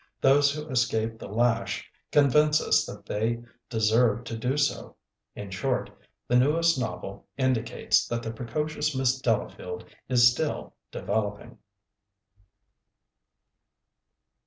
Those who escape the lash convince us that they deserve to do so. In short, the newest novel indicates that the precocious Miss Delafield is still developing.